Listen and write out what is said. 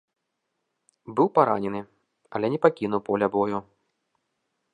Быў паранены, але не пакінуў поля бою.